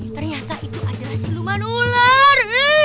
ternyata itu adalah siluman ular